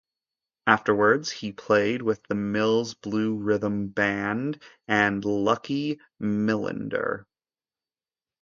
Afterwards he played with the Mills Blue Rhythm Band and Lucky Millinder.